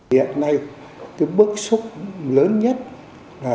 hiện nay cái bước xúc lớn nhất là làm